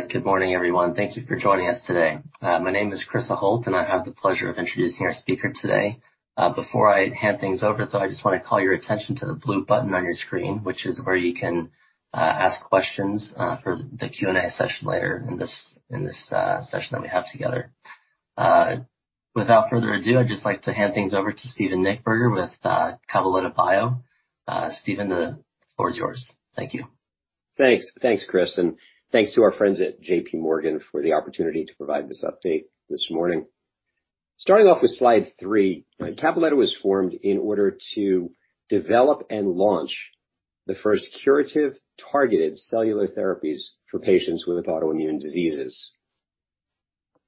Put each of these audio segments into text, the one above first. All right. Good morning, everyone. Thank you for joining us today. My name is Chris Holt, and I have the pleasure of introducing our speaker today. Before I hand things over, though, I just wanna call your attention to the blue button on your screen, which is where you can ask questions for the Q&A session later in this session that we have together. Without further ado, I'd just like to hand things over to Steven Nichtberger with Cabaletta Bio. Steven, the floor is yours. Thank you. Thanks. Thanks, Chris, and thanks to our friends at J.P. Morgan for the opportunity to provide this update this morning. Starting off with slide three, Cabaletta was formed in order to develop and launch the first curative targeted cellular therapies for patients with autoimmune diseases.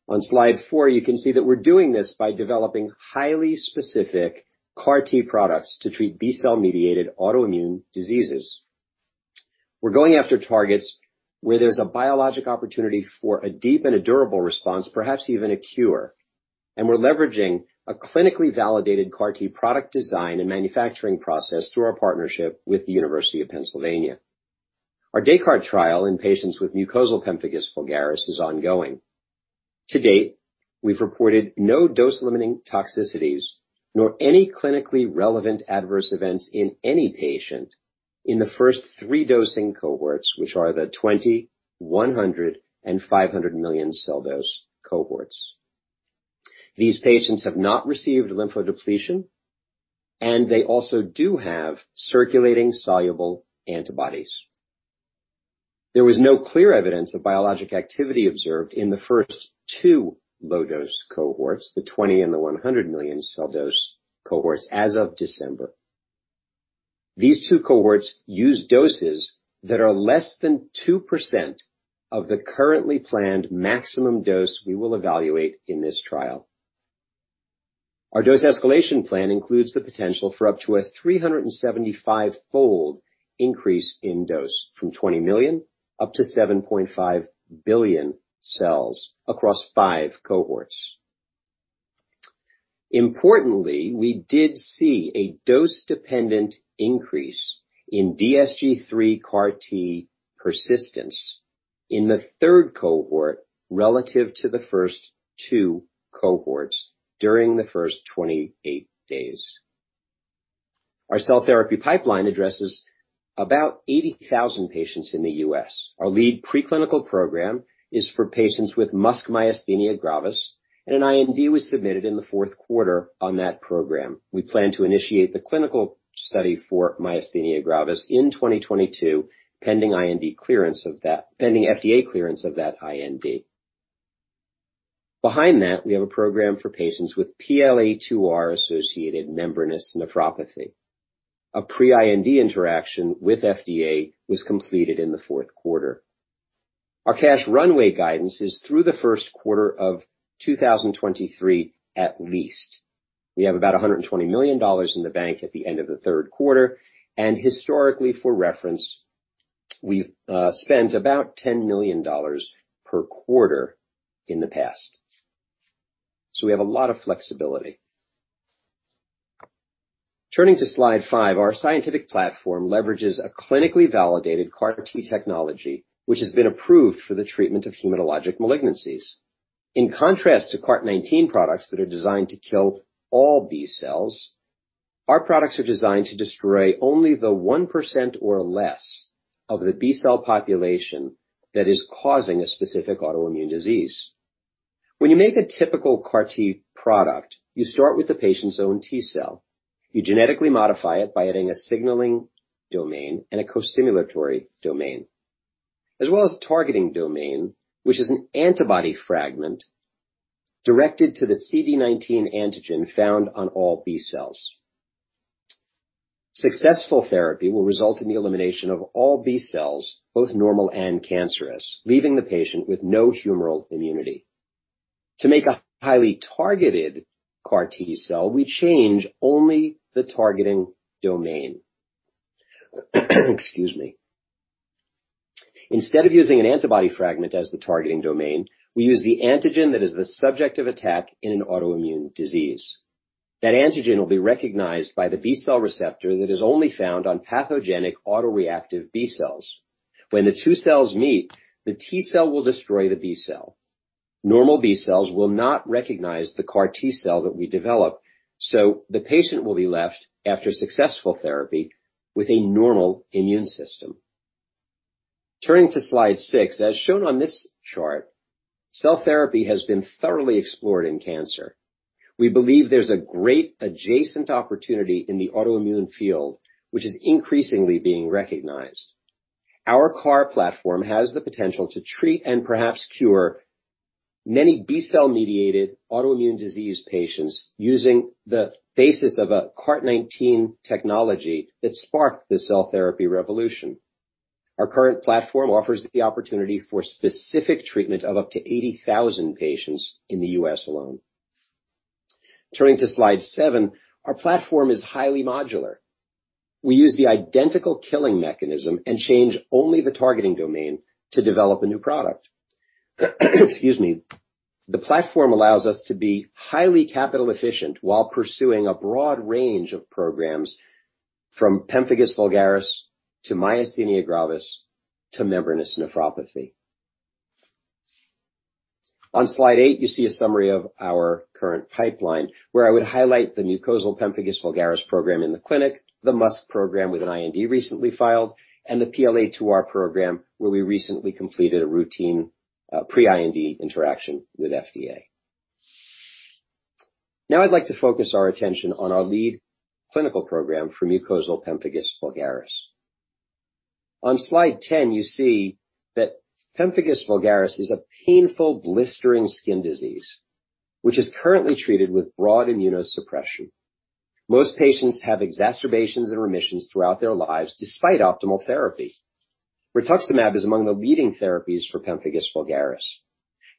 On slide four, you can see that we're doing this by developing highly specific CAR T products to treat B-cell mediated autoimmune diseases. We're going after targets where there's a biologic opportunity for a deep and a durable response, perhaps even a cure. We're leveraging a clinically validated CAR T product design and manufacturing process through our partnership with the University of Pennsylvania. Our DesCAARTes trial in patients with mucosal pemphigus vulgaris is ongoing. To date, we've reported no dose-limiting toxicities, nor any clinically relevant adverse events in any patient in the first three dosing cohorts, which are the 20, 100, and 500 million cell dose cohorts. These patients have not received lymphodepletion, and they also do have circulating soluble antibodies. There was no clear evidence of biologic activity observed in the first two low-dose cohorts, the 20 and the 100 million cell dose cohorts as of December. These two cohorts use doses that are less than 2% of the currently planned maximum dose we will evaluate in this trial. Our dose escalation plan includes the potential for up to a 375-fold increase in dose from 20 million up to 7.5 billion cells across five cohorts. Importantly, we did see a dose-dependent increase in DSG3-CAART persistence in the third cohort relative to the first two cohorts during the first 28 days. Our cell therapy pipeline addresses about 80,000 patients in the U.S. Our lead preclinical program is for patients with myasthenia gravis, and an IND was submitted in the fourth quarter on that program. We plan to initiate the clinical study for myasthenia gravis in 2022, pending FDA clearance of that IND. Behind that, we have a program for patients with PLA2R-associated membranous nephropathy. A pre-IND interaction with FDA was completed in the fourth quarter. Our cash runway guidance is through the first quarter of 2023 at least. We have about $120 million in the bank at the end of the third quarter, and historically, for reference, we've spent about $10 million per quarter in the past. We have a lot of flexibility. Turning to slide five, our scientific platform leverages a clinically validated CAR T technology, which has been approved for the treatment of hematologic malignancies. In contrast to CAR 19 products that are designed to kill all B-cells, our products are designed to destroy only the 1% or less of the B-cell population that is causing a specific autoimmune disease. When you make a typical CAR T product, you start with the patient's own T-cell. You genetically modify it by adding a signaling domain and a costimulatory domain, as well as targeting domain, which is an antibody fragment directed to the CD19 antigen found on all B-cells. Successful therapy will result in the elimination of all B cells, both normal and cancerous, leaving the patient with no humoral immunity. To make a highly targeted CAR T cell, we change only the targeting domain. Excuse me. Instead of using an antibody fragment as the targeting domain, we use the antigen that is the subject of attack in an autoimmune disease. That antigen will be recognized by the B cell receptor that is only found on pathogenic autoreactive B cells. When the two cells meet, the T cell will destroy the B cell. Normal B cells will not recognize the CAR T cell that we develop, so the patient will be left, after successful therapy, with a normal immune system. Turning to slide six. As shown on this chart, cell therapy has been thoroughly explored in cancer. We believe there's a great adjacent opportunity in the autoimmune field, which is increasingly being recognized. Our CAR platform has the potential to treat and perhaps cure many B-cell-mediated autoimmune disease patients using the basis of a CAR 19 technology that sparked the cell therapy revolution. Our current platform offers the opportunity for specific treatment of up to 80,000 patients in the U.S. alone. Turning to slide seven. Our platform is highly modular. We use the identical killing mechanism and change only the targeting domain to develop a new product. Excuse me. The platform allows us to be highly capital efficient while pursuing a broad range of programs, from pemphigus vulgaris to myasthenia gravis to membranous nephropathy. On slide eight, you see a summary of our current pipeline, where I would highlight the mucosal pemphigus vulgaris program in the clinic, the MuSK program with an IND recently filed, and the PLA2R program, where we recently completed a routine pre-IND interaction with FDA. Now I'd like to focus our attention on our lead clinical program for mucosal pemphigus vulgaris. On slide 10, you see that pemphigus vulgaris is a painful blistering skin disease, which is currently treated with broad immunosuppression. Most patients have exacerbations and remissions throughout their lives despite optimal therapy. Rituximab is among the leading therapies for pemphigus vulgaris.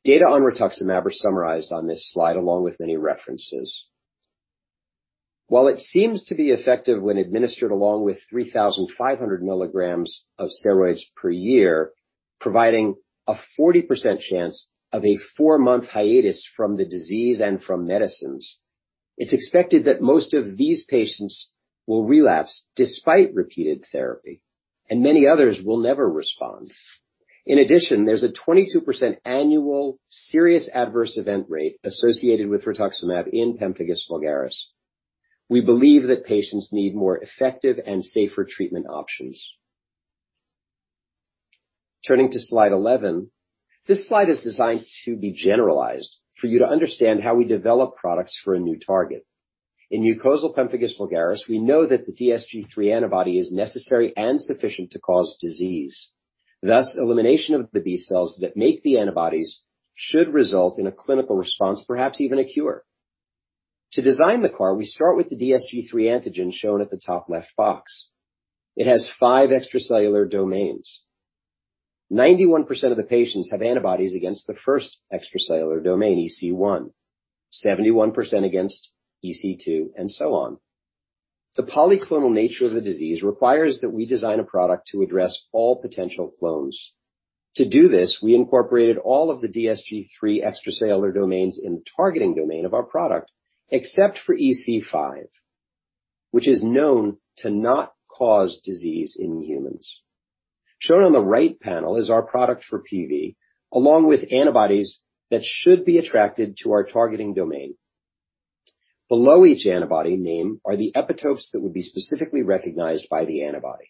Data on rituximab are summarized on this slide, along with many references. While it seems to be effective when administered along with 3,500 milligrams of steroids per year, providing a 40% chance of a four-month hiatus from the disease and from medicines, it's expected that most of these patients will relapse despite repeated therapy, and many others will never respond. In addition, there's a 22% annual serious adverse event rate associated with rituximab in pemphigus vulgaris. We believe that patients need more effective and safer treatment options. Turning to slide 11. This slide is designed to be generalized for you to understand how we develop products for a new target. In mucosal pemphigus vulgaris, we know that the DSG3 antibody is necessary and sufficient to cause disease. Thus, elimination of the B cells that make the antibodies should result in a clinical response, perhaps even a cure. To design the CAR, we start with the DSG3 antigen shown at the top left box. It has five extracellular domains. 91% of the patients have antibodies against the first extracellular domain, EC1, 71% against EC2, and so on. The polyclonal nature of the disease requires that we design a product to address all potential clones. To do this, we incorporated all of the DSG3 extracellular domains in the targeting domain of our product, except for EC5, which is known to not cause disease in humans. Shown on the right panel is our product for PV, along with antibodies that should be attracted to our targeting domain. Below each antibody name are the epitopes that would be specifically recognized by the antibody.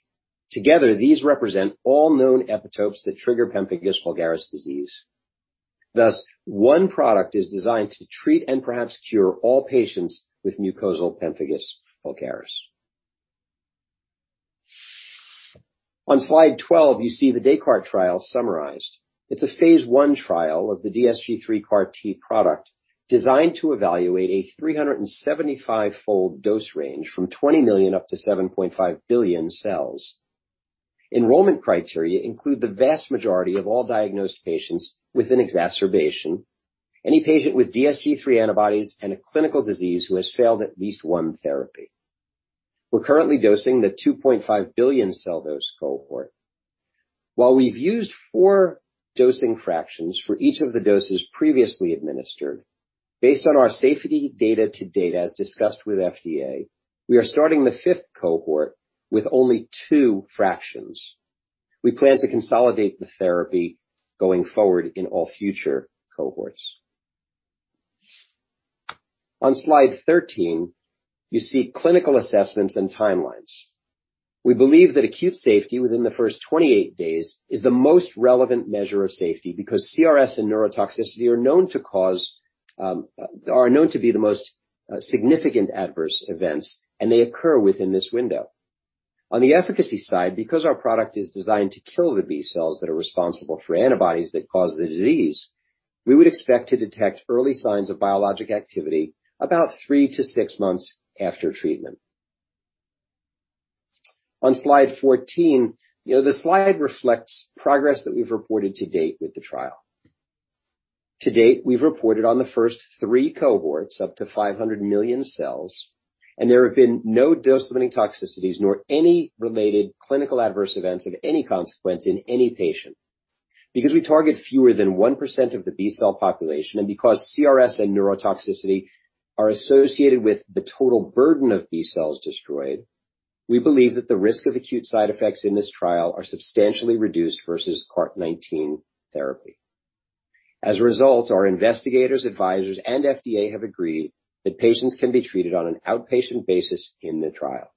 Together, these represent all known epitopes that trigger pemphigus vulgaris disease. Thus, one product is designed to treat and perhaps cure all patients with mucosal pemphigus vulgaris. On slide 12, you see the DesCAARTes trial summarized. It's a Phase I trial of the DSG3-CAART product designed to evaluate a 375-fold dose range from 20 million up to 7.5 billion cells. Enrollment criteria include the vast majority of all diagnosed patients with an exacerbation, any patient with DSG3 antibodies, and a clinical disease who has failed at least one therapy. We're currently dosing the 2.5 billion cell dose cohort. While we've used four dosing fractions for each of the doses previously administered, based on our safety data to date as discussed with FDA, we are starting the fifth cohort with only two fractions. We plan to consolidate the therapy going forward in all future cohorts. On slide 13, you see clinical assessments and timelines. We believe that acute safety within the first 28 days is the most relevant measure of safety because CRS and neurotoxicity are known to be the most significant adverse events, and they occur within this window. On the efficacy side, because our product is designed to kill the B cells that are responsible for antibodies that cause the disease, we would expect to detect early signs of biologic activity about three to six months after treatment. On slide 14, you know, the slide reflects progress that we've reported to date with the trial. To date, we've reported on the first three cohorts, up to 500 million cells, and there have been no dose-limiting toxicities, nor any related clinical adverse events of any consequence in any patient. Because we target fewer than 1% of the B-cell population and because CRS and neurotoxicity are associated with the total burden of B cells destroyed, we believe that the risk of acute side effects in this trial are substantially reduced versus CART19 therapy. As a result, our investigators, advisors, and FDA have agreed that patients can be treated on an outpatient basis in the trial.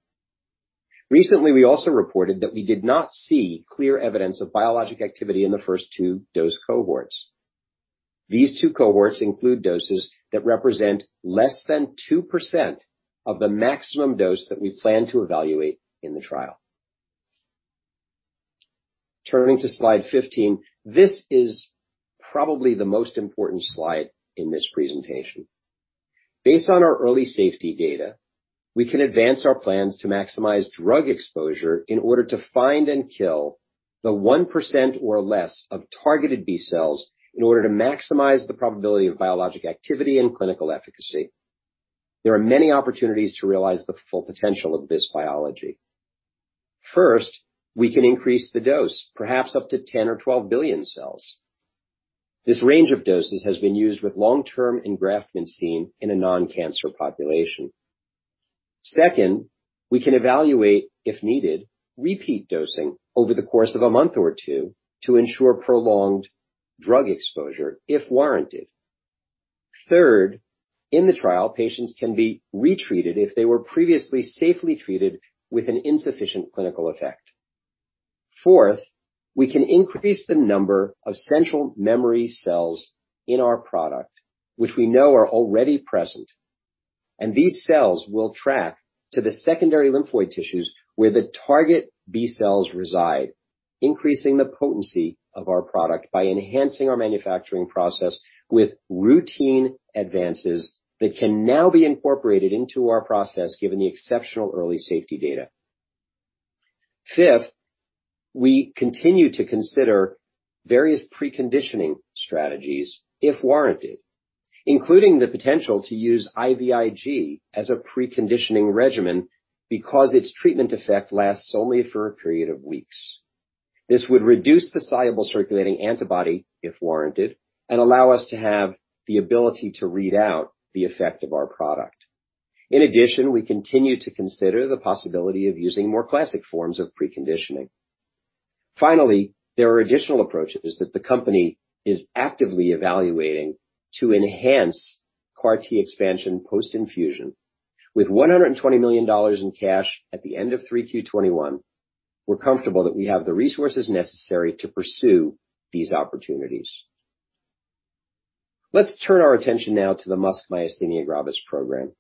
Recently, we also reported that we did not see clear evidence of biologic activity in the first two dose cohorts. These two cohorts include doses that represent less than 2% of the maximum dose that we plan to evaluate in the trial. Turning to slide 15. This is probably the most important slide in this presentation. Based on our early safety data, we can advance our plans to maximize drug exposure in order to find and kill the 1% or less of targeted B cells in order to maximize the probability of biologic activity and clinical efficacy. There are many opportunities to realize the full potential of this biology. First, we can increase the dose, perhaps up to 10 or 12 billion cells. This range of doses has been used with long-term engraftment seen in a non-cancer population. Second, we can evaluate, if needed, repeat dosing over the course of a month or two to ensure prolonged drug exposure if warranted. Third, in the trial, patients can be retreated if they were previously safely treated with an insufficient clinical effect. Fourth, we can increase the number of central memory cells in our product, which we know are already present, and these cells will track to the secondary lymphoid tissues where the target B cells reside, increasing the potency of our product by enhancing our manufacturing process with routine advances that can now be incorporated into our process given the exceptional early safety data. Fifth, we continue to consider various preconditioning strategies if warranted, including the potential to use IVIG as a preconditioning regimen because its treatment effect lasts only for a period of weeks. This would reduce the soluble circulating antibody, if warranted, and allow us to have the ability to read out the effect of our product. In addition, we continue to consider the possibility of using more classic forms of preconditioning. Finally, there are additional approaches that the company is actively evaluating to enhance CAR T expansion post-infusion. With $120 million in cash at the end of 3Q 2021, we're comfortable that we have the resources necessary to pursue these opportunities. Let's turn our attention now to the MuSK myasthenia gravis program.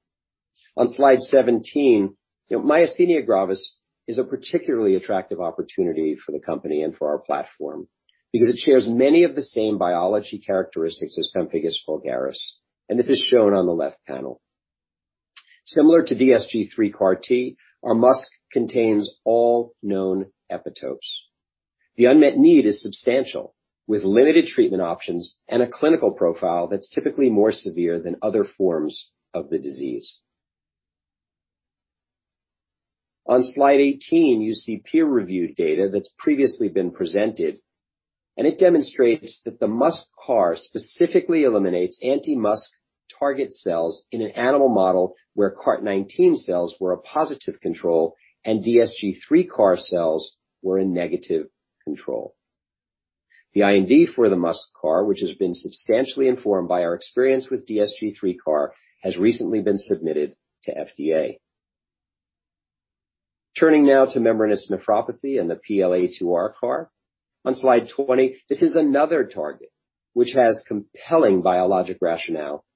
On slide 17, you know, myasthenia gravis is a particularly attractive opportunity for the company and for our platform because it shares many of the same biology characteristics as pemphigus vulgaris, and this is shown on the left panel. Similar to DSG3 CAR T, our MuSK contains all known epitopes. The unmet need is substantial, with limited treatment options and a clinical profile that's typically more severe than other forms of the disease. On slide 18, you see peer-reviewed data that's previously been presented, and it demonstrates that the MuSK CAR specifically eliminates anti-MuSK target cells in an animal model where CART19 cells were a positive control and DSG3 CAR cells were a negative control. The IND for the MuSK CAR, which has been substantially informed by our experience with DSG3 CAR, has recently been submitted to FDA. Turning now to membranous nephropathy and the PLA2R CAR. On slide 20, this is another target which has compelling biologic rationale.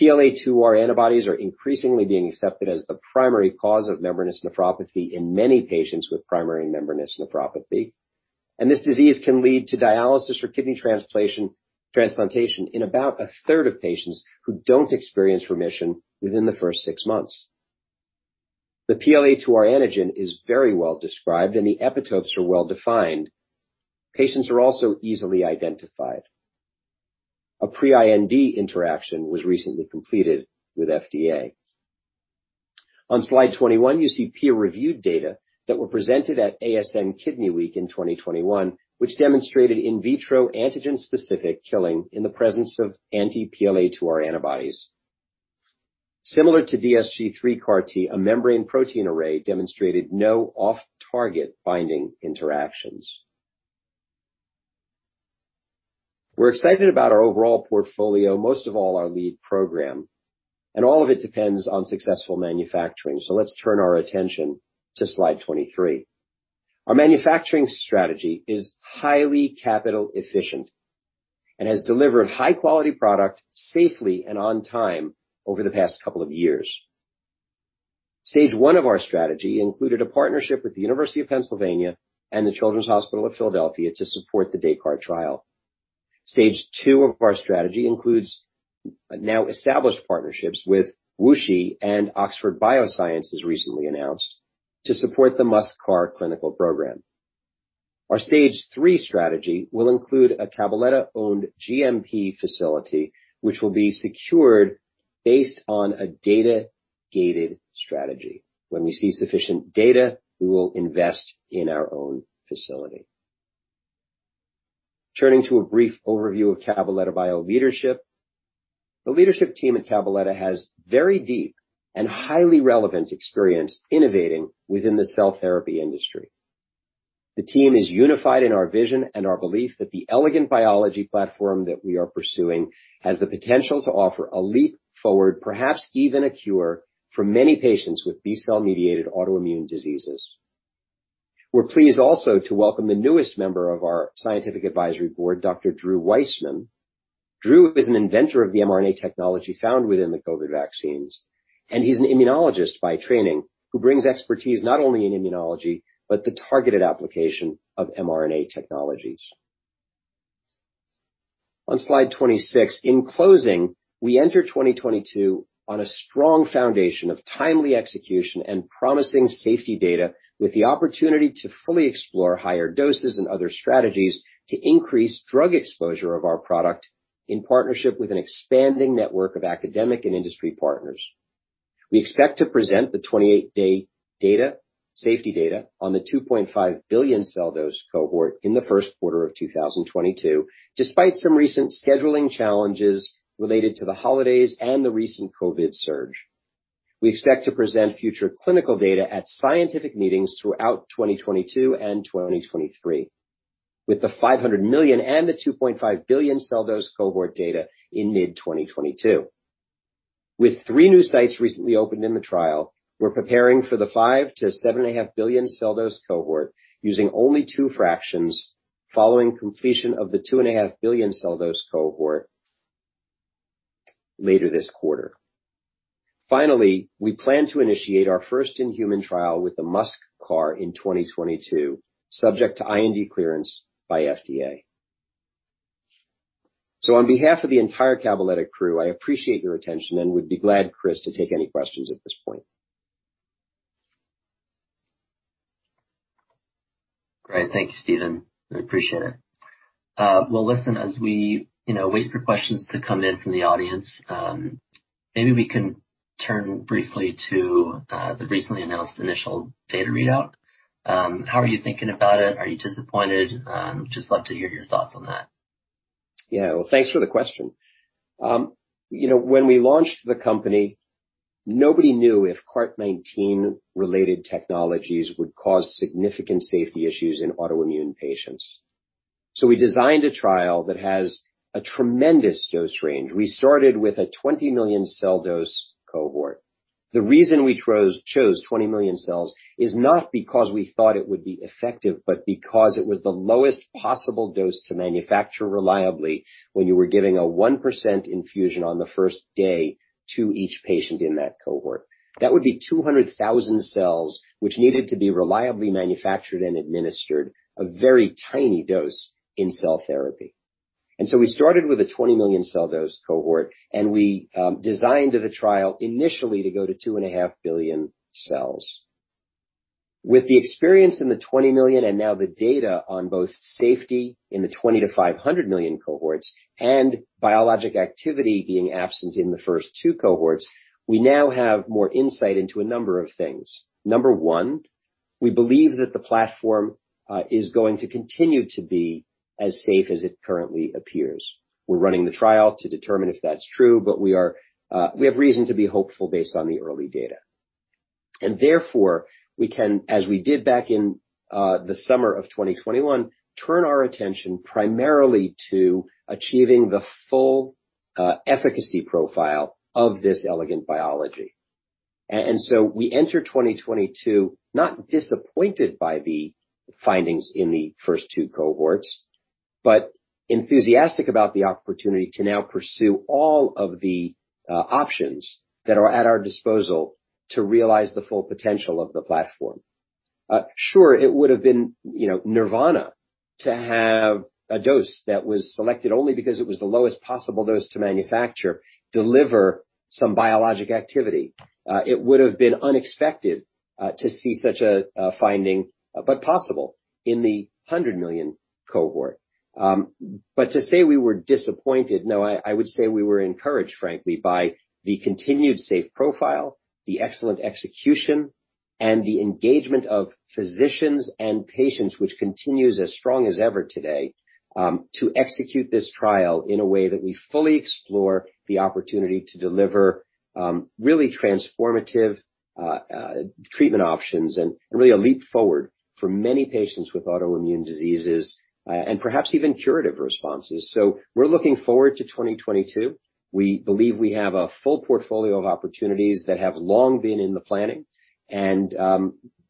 PLA2R antibodies are increasingly being accepted as the primary cause of membranous nephropathy in many patients with primary membranous nephropathy. This disease can lead to dialysis or kidney transplantation in about a third of patients who don't experience remission within the first six months. The PLA2R antigen is very well described and the epitopes are well defined. Patients are also easily identified. A pre-IND interaction was recently completed with FDA. On slide 21, you see peer-reviewed data that were presented at ASN Kidney Week in 2021, which demonstrated in vitro antigen-specific killing in the presence of anti-PLA2R antibodies. Similar to DSG3 CAR T, a membrane protein array demonstrated no off-target binding interactions. We're excited about our overall portfolio, most of all our lead program, and all of it depends on successful manufacturing. Let's turn our attention to slide 23. Our manufacturing strategy is highly capital efficient and has delivered high-quality product safely and on time over the past couple of years. Stage one of our strategy included a partnership with the University of Pennsylvania and the Children's Hospital of Philadelphia to support the DesCAARTes trial. Stage two of our strategy includes now established partnerships with WuXi and Oxford Biomedica recently announced to support the MuSK-CAART clinical program. Our stage three strategy will include a Cabaletta-owned GMP facility, which will be secured based on a data-gated strategy. When we see sufficient data, we will invest in our own facility. Turning to a brief overview of Cabaletta Bio leadership. The leadership team at Cabaletta has very deep and highly relevant experience innovating within the cell therapy industry. The team is unified in our vision and our belief that the elegant biology platform that we are pursuing has the potential to offer a leap forward, perhaps even a cure, for many patients with B-cell-mediated autoimmune diseases. We're pleased also to welcome the newest member of our scientific advisory board, Dr. Drew Weissman. Drew Weissman is an inventor of the mRNA technology found within the COVID vaccines, and he's an immunologist by training who brings expertise not only in immunology, but the targeted application of mRNA technologies. On slide 26, in closing, we enter 2022 on a strong foundation of timely execution and promising safety data with the opportunity to fully explore higher doses and other strategies to increase drug exposure of our product in partnership with an expanding network of academic and industry partners. We expect to present the 28-day data, safety data on the 2.5 billion cell dose cohort in the first quarter of 2022, despite some recent scheduling challenges related to the holidays and the recent COVID surge. We expect to present future clinical data at scientific meetings throughout 2022 and 2023. With the 500 million and the 2.5 billion cell dose cohort data in mid-2022. With three new sites recently opened in the trial, we're preparing for the 5-7.5 billion cell dose cohort using only two fractions following completion of the 2.5 billion cell dose cohort later this quarter. Finally, we plan to initiate our first human trial with the MuSK-CAART in 2022, subject to IND clearance by FDA. On behalf of the entire Cabaletta crew, I appreciate your attention and would be glad, Chris, to take any questions at this point. Great. Thank you, Steven. I appreciate it. Well, listen, as we, you know, wait for questions to come in from the audience, maybe we can turn briefly to the recently announced initial data readout. How are you thinking about it? Are you disappointed? Just love to hear your thoughts on that. Yeah. Well, thanks for the question. You know, when we launched the company, nobody knew if CART19-related technologies would cause significant safety issues in autoimmune patients. We designed a trial that has a tremendous dose range. We started with a 20 million cell dose cohort. The reason we chose 20 million cells is not because we thought it would be effective, but because it was the lowest possible dose to manufacture reliably when you were giving a 1% infusion on the first day to each patient in that cohort. That would be 200,000 cells which needed to be reliably manufactured and administered, a very tiny dose in cell therapy. We started with a 20 million cell dose cohort, and we designed the trial initially to go to 2.5 billion cells. With the experience in the 20 million, and now the data on both safety in the 20-500 million cohorts and biologic activity being absent in the first two cohorts, we now have more insight into a number of things. Number one, we believe that the platform is going to continue to be as safe as it currently appears. We're running the trial to determine if that's true, but we are, we have reason to be hopeful based on the early data. Therefore, we can, as we did back in, the summer of 2021, turn our attention primarily to achieving the full, efficacy profile of this elegant biology. We enter 2022, not disappointed by the findings in the first two cohorts, but enthusiastic about the opportunity to now pursue all of the options that are at our disposal to realize the full potential of the platform. Sure, it would have been, you know, nirvana to have a dose that was selected only because it was the lowest possible dose to manufacture, deliver some biologic activity. It would have been unexpected to see such a finding, but possible in the 100 million cohort. To say we were disappointed. No, I would say we were encouraged, frankly, by the continued safe profile, the excellent execution, and the engagement of physicians and patients, which continues as strong as ever today, to execute this trial in a way that we fully explore the opportunity to deliver, really transformative, treatment options and really a leap forward for many patients with autoimmune diseases, and perhaps even curative responses. We're looking forward to 2022. We believe we have a full portfolio of opportunities that have long been in the planning.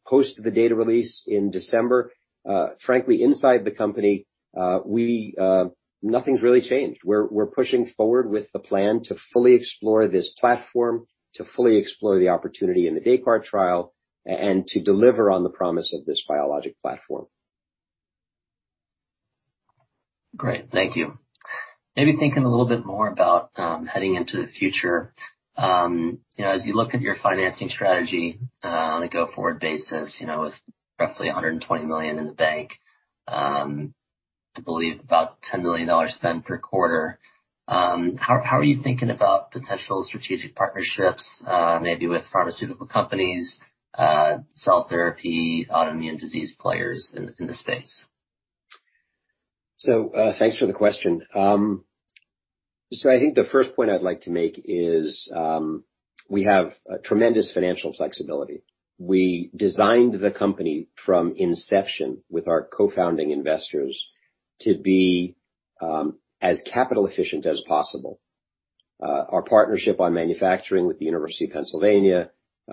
Post the data release in December, frankly, inside the company, nothing's really changed. We're pushing forward with the plan to fully explore this platform, to fully explore the opportunity in the DesCAARTes trial and to deliver on the promise of this biologic platform. Great. Thank you. Maybe thinking a little bit more about heading into the future, you know, as you look at your financing strategy, on a go-forward basis, you know, with roughly $120 million in the bank, I believe about $10 million spent per quarter, how are you thinking about potential strategic partnerships, maybe with pharmaceutical companies, cell therapy, autoimmune disease players in the space? Thanks for the question. I think the first point I'd like to make is we have a tremendous financial flexibility. We designed the company from inception with our co-founding investors to be as capital efficient as possible. Our partnership on manufacturing with the University of Pennsylvania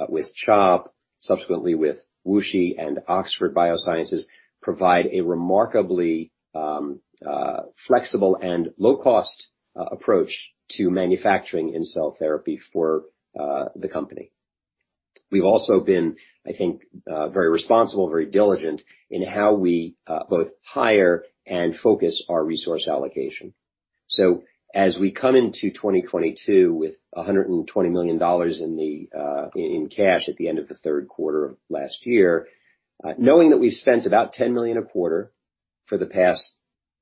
with CHOP, subsequently with WuXi and Oxford Biomedica, provide a remarkably flexible and low-cost approach to manufacturing in cell therapy for the company. We've also been, I think, very responsible, very diligent in how we both hire and focus our resource allocation. As we come into 2022 with $120 million in cash at the end of the third quarter of last year, knowing that we spent about $10 million a quarter for the past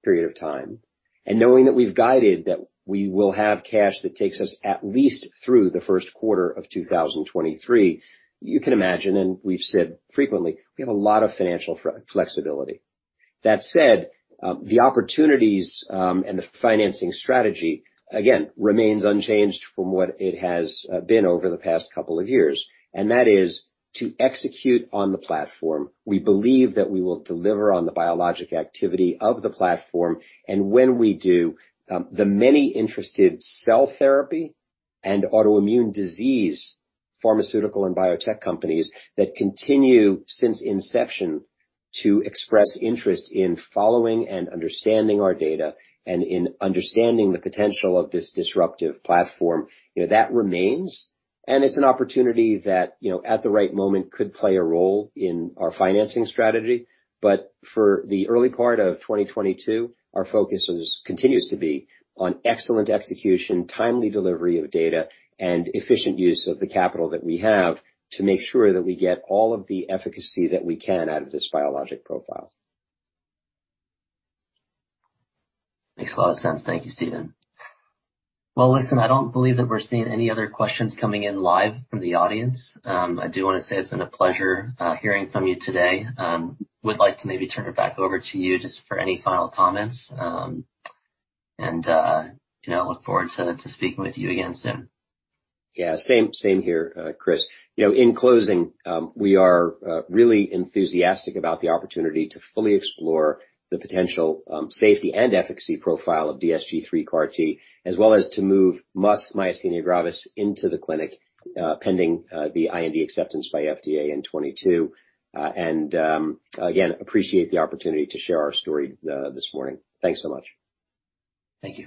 period of time, and knowing that we've guided that we will have cash that takes us at least through the first quarter of 2023, you can imagine, and we've said frequently, we have a lot of financial flexibility. That said, the opportunities and the financing strategy again remains unchanged from what it has been over the past couple of years, and that is to execute on the platform. We believe that we will deliver on the biologic activity of the platform, and when we do, the many interested cell therapy and autoimmune disease pharmaceutical and biotech companies that continue since inception to express interest in following and understanding our data and in understanding the potential of this disruptive platform, that remains. It's an opportunity that, at the right moment, could play a role in our financing strategy. For the early part of 2022, our focus is, continues to be on excellent execution, timely delivery of data, and efficient use of the capital that we have to make sure that we get all of the efficacy that we can out of this biologic profile. Makes a lot of sense. Thank you, Steven. Well, listen, I don't believe that we're seeing any other questions coming in live from the audience. I do wanna say it's been a pleasure hearing from you today. Would like to maybe turn it back over to you just for any final comments. You know, look forward to speaking with you again soon. Yeah, same here, Chris. You know, in closing, we are really enthusiastic about the opportunity to fully explore the potential safety and efficacy profile of DSG3-CAART, as well as to move MuSK myasthenia gravis into the clinic, pending the IND acceptance by FDA in 2022. Again, appreciate the opportunity to share our story this morning. Thanks so much. Thank you.